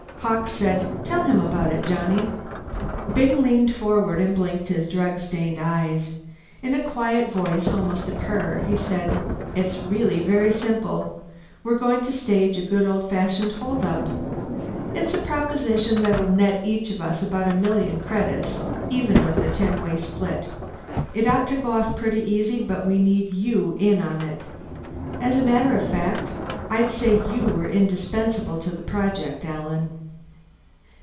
Hawkes said, "Tell him about it, Johnny." Byng leaned forward and blinked his drug stained eyes. In a quiet voice, almost a purr, he said, "It's really very simple. We're going to stage a good old fashioned hold up. It's a proposition that'll net us each about a million credits, even with the ten way split. It ought to go off pretty easy but we need you in on it. As a matter of fact, I'd say you were indispensable to the project, Alan."